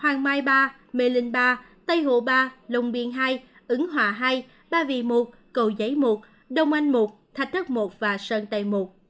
hoàng mai ba mê linh ba tây hộ ba lồng biên hai ứng hòa hai ba vị một cậu giấy một đồng anh một thạch thất một sơn tây một